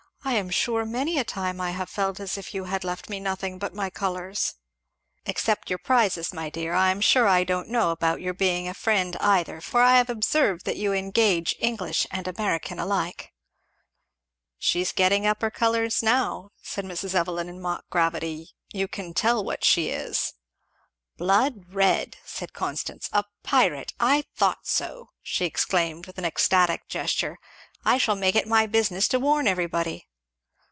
"I am sure many a time I have felt as if you had left me nothing but my colours." "Except your prizes, my dear. I am sure I don't know about your being a friend either, for I have observed that you engage English and American alike." "She is getting up her colours now," said Mrs. Evelyn in mock gravity, "you can tell what she is." "Blood red!" said Constance. "A pirate! I thought so," she exclaimed, with an ecstatic gesture. "I shall make it my business to warn everybody!"